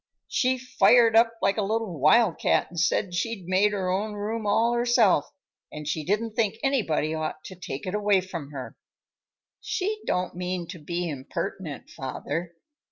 She fired up like a little wild cat and said she'd made her own room all herself, and she didn't think anybody ought to take it away from her." "She don't mean to be impertinent, father.